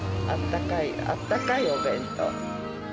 あったかい、あったかいお弁当。